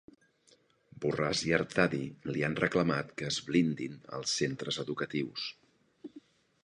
Borràs i Artadi li han reclamat que es blindin els centres educatius.